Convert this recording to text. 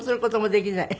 できない。